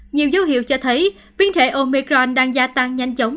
nhiều dấu hiệu cho thấy biến thể omicron đang gia tăng nhanh chóng